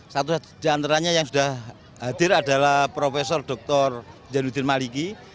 satu di antaranya yang sudah hadir adalah prof dr janudin maliki